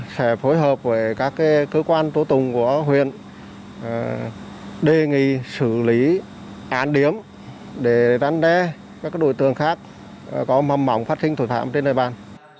sẽ phối hợp với các cơ quan tổ tùng của huyện đề nghị xử lý án điểm để đánh đe các đối tượng khác có mầm mỏng phát sinh thổ thạm trên nơi bàn